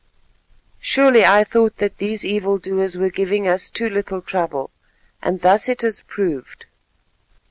Surely I thought that these evil doers were giving us too little trouble, and thus it has proved."